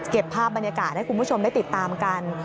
ภาพบรรยากาศให้คุณผู้ชมได้ติดตามกัน